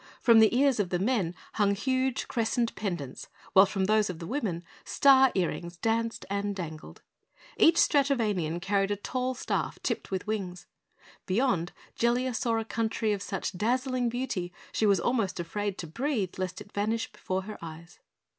From the ears of the men hung huge, crescent pendants, while from those of the women, star earrings danced and dangled. Each Stratovanian carried a tall staff, tipped with wings. Beyond, Jellia saw a country of such dazzling beauty she was almost afraid to breathe lest it vanish before her eyes.